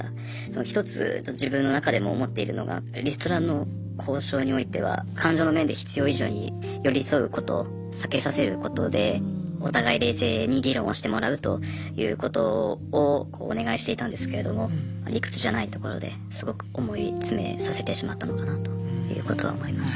１つ自分の中でも思っているのがリストラの交渉においては感情の面で必要以上に寄り添うことを避けさせることでお互い冷静に議論をしてもらうということをお願いしていたんですけれども理屈じゃないところですごく思い詰めさせてしまったのかなということは思います。